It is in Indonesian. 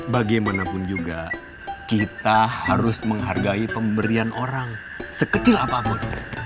bagaimanapun juga kita harus menghargai pemberian orang sekecil apapun